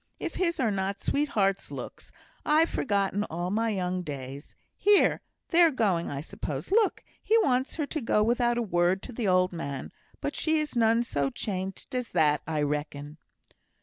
If his are not sweetheart's looks, I've forgotten all my young days. Here! they're going, I suppose. Look! he wants her to go without a word to the old man; but she is none so changed as that, I reckon."